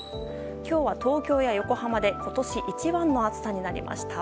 今日は東京や横浜で今年一番の暑さになりました。